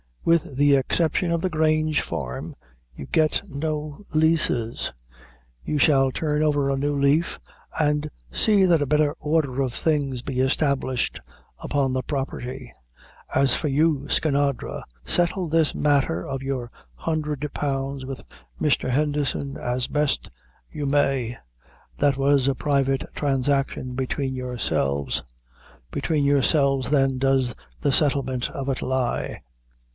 With the exception of the Grange farm, you get no leases. We shall turn over a new leaf, and see that a better order of things be established upon the property. As for you, Skinadre, settle this matter of your hundred pounds with Mr. Henderson as best you may. That was a private transaction between yourselves; between yourselves, then, does the settlement of it lie."